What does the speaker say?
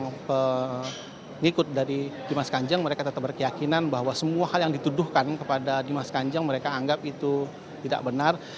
dan mengikut dari dimas kanjeng mereka tetap berkeyakinan bahwa semua hal yang dituduhkan kepada dimas kanjeng mereka anggap itu tidak benar